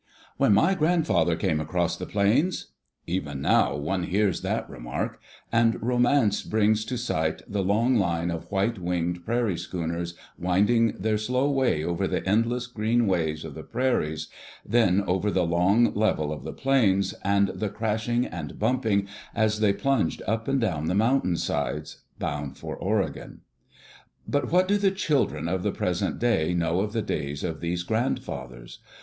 "When my grandfather came across the plains'* — even now one hears that remark; and romance brings to sight the long line of white winged prairie schooners wind ing their slow way over the endless green waves of the prairies, then over the long level of the plains, and the crashing and bumping as they plunged up and down the mountain sides — bound for Oregon. But what do the children of the present day know of the days of these grandfathers?